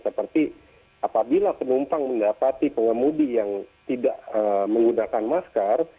seperti apabila penumpang mendapati pengemudi yang tidak menggunakan masker